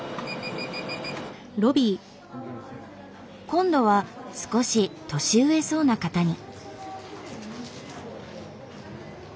今度は少し年上そうな方に。